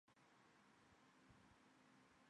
安苡爱前男友为男演员李博翔。